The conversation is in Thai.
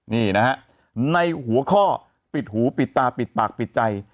นี่นะฮะในหัวข้อปิดหูปิดตาปิดปากปิดใจ